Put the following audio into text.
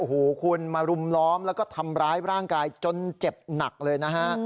โอ้โหคุณมารุมล้อมแล้วก็ทำร้ายร่างกายจนเจ็บหนักเลยนะฮะ